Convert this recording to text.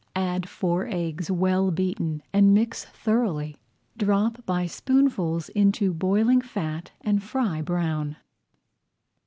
Add four eggs well beaten and mix thoroughly. Drop by spoonfuls into boiling fat and fry brown.